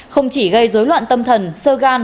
không chỉ gây dối loạn tâm thần sơ gan